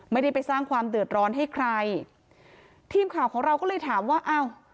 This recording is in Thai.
ไม่ได้ไปสร้างความเดือดร้อนให้ใครทีมข่าวของเราก็เลยถามว่าอ้าว